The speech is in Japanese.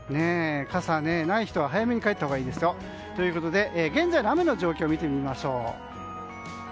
傘、ない人は早めに帰ったほうがいいですよ。ということで、現在の雨の状況を見てみましょう。